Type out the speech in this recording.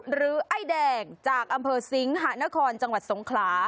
หรือไอ้แดงจากอำเภอสิงหานครจังหวัดสงขลา